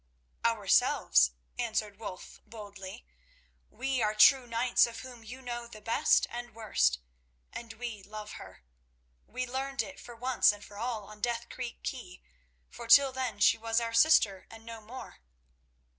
"Ourselves," answered Wulf boldly. "We are true knights of whom you know the best and worst, and we love her. We learned it for once and for all on Death Creek quay, for till then she was our sister and no more."